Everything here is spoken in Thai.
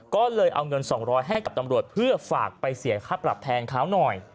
ก็เลยเอาเงิน๒๐๐ให้กับตำรวจเพื่อฝากไปเสียค่าปรับแทนเขาหน่อย